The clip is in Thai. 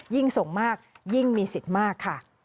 ยิ่งส่งมากยิ่งมีสิทธิ์มากค่ะ